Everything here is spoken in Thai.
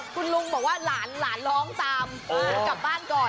คุณลุงบอกว่าหลานร้องตามกลับบ้านก่อน